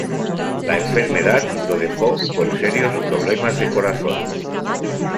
La enfermedad lo dejó con serios problemas de corazón.